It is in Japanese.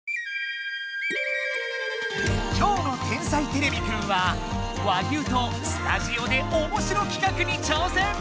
今日の「天才てれびくん」は和牛とスタジオでおもしろ企画に挑戦！